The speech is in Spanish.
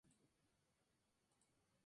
El Acuerdo de St.